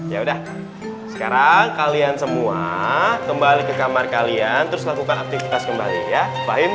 ya udah sekarang kalian semua kembali ke kamar kalian terus lakukan aktivitas kembali ya